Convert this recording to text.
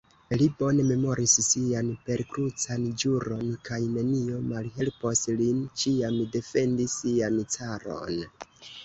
Li bone memoris sian perkrucan ĵuron, kaj nenio malhelpos lin ĉiam defendi sian caron.